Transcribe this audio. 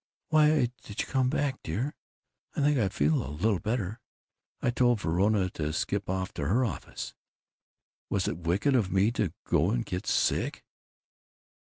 "Why did you come back, dear? I think I feel a little better. I told Verona to skip off to her office. Was it wicked of me to go and get sick?"